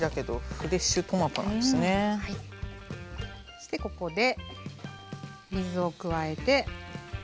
そしてここで水を加えて。